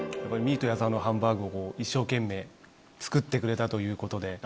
ミート矢澤のハンバーグをこう一生懸命作ってくれたということで。